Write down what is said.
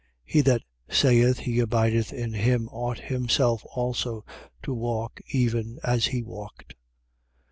2:6. He that saith he abideth in him ought himself also to walk even as he walked.